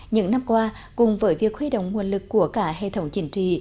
những năm qua cùng với việc khuy động nguồn lực của cả hệ thống chỉnh trì